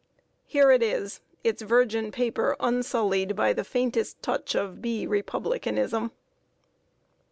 Here it is its virgin paper unsullied by the faintest touch of "B. Republicanism."